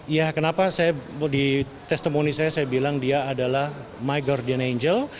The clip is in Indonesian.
ya kenapa saya di testimony saya saya bilang dia adalah my guardian angel